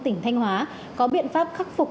tỉnh thanh hóa có biện pháp khắc phục